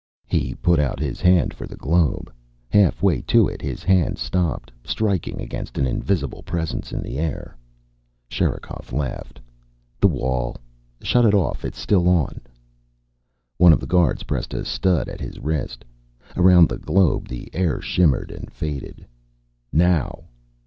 He put out his hand for the globe. Half way to it his hand stopped, striking against an invisible presence in the air. Sherikov laughed. "The wall. Shut it off. It's still on." One of the guards pressed a stud at his wrist. Around the globe the air shimmered and faded. "Now."